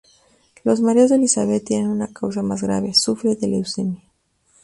Los mareos de Elizabeth tienen una causa más grave: sufre de leucemia.